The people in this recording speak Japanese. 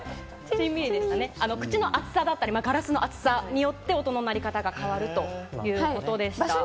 口の厚さだったり、ガラスの厚さによって音の鳴り方が変わるということでした。